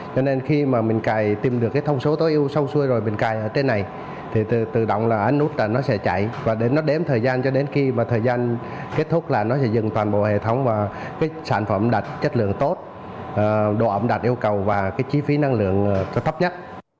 cho nên khi mà mình cài tìm được cái thông số tối ưu xong xuôi rồi mình cài ở trên này thì tự động là ánh nút là nó sẽ chạy và để nó đếm thời gian cho đến khi mà thời gian kết thúc là nó sẽ dừng toàn bộ hệ thống và cái sản phẩm ẩm đạch chất lượng tốt độ ẩm đạch yêu cầu và cái chi phí năng lượng tốt nhất